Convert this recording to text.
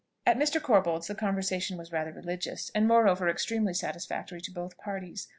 At Mr. Corbold's the conversation was rather religious, and moreover extremely satisfactory to both parties.